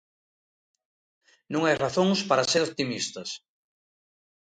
Non hai razóns para ser optimistas.